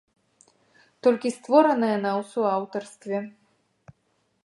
Толькі створана яна ў суаўтарстве.